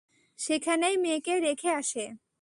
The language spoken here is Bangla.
সেখানেই মেয়েকে রেখে আসে।